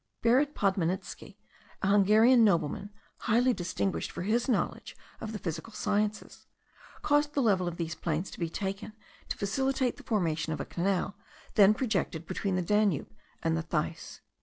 Baron Podmanitzky, an Hungarian nobleman, highly distinguished for his knowledge of the physical sciences, caused the level of these plains to be taken, to facilitate the formation of a canal then projected between the Danube and the Theiss.